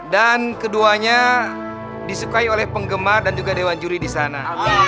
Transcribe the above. dan keduanya disukai oleh penggemar dan juga dewan juri disana